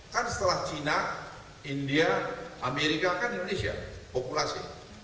kan setelah cina india amerika kan indonesia populasi